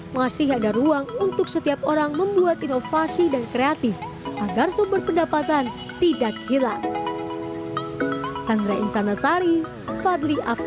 masih ada ruang untuk setiap orang membuat inovasi dan kreatif agar sumber pendapatan tidak hilang